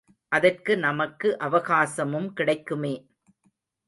அதற்கு நமக்கு அவகாசமும் கிடைக்குமே.